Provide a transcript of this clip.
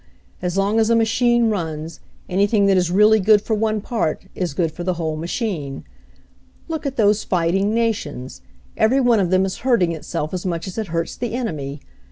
As long as a machine runs, anything that is really good for one part is good for the whole machine. "Look at those fighting nations. Every one of them is hurting itself as much as it hurts the enemy.